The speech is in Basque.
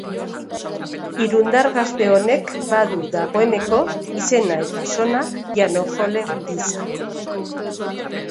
Irundar gazte honek badu dagoeneko izena eta sona pianojole gisa.